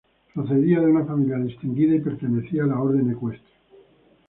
Procedía de una familia distinguida y pertenecía a la orden ecuestre.